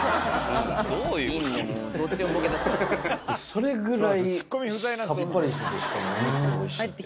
それぐらい。